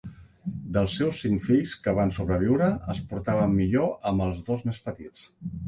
Dels seus cinc fills que van sobreviure, es portava millor amb el els dos més petits.